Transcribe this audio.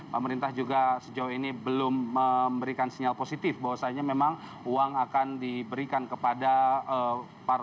pemerintah juga sejauh ini belum memberikan sinyal positif bahwasannya memang uang akan diberikan kepada para